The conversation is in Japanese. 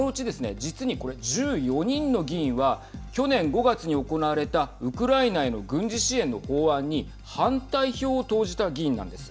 実に、これ１４人の議員は去年５月に行われたウクライナへの軍事支援の法案に反対票を投じた議員なんです。